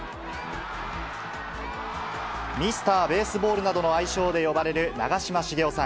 ミスター・ベースボールなどの愛称で呼ばれる長嶋茂雄さん。